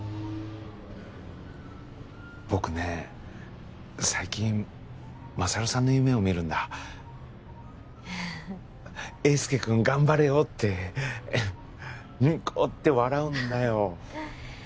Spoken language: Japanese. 僕ね最近勝さんの夢を見るんだ英介君頑張れよってニコって笑うんだよ